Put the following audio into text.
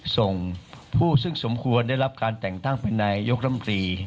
ส่งผู้ซึ่งสมควรได้รับการแต่งตั้งเป็นนายยกรัมตรี